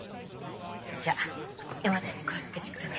じゃあ山ちゃんに声掛けてくるね。